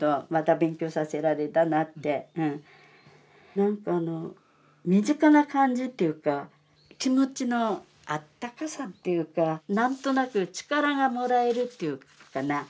何かあの身近な感じっていうか気持ちのあったかさっていうか何となく力がもらえるっていうかな。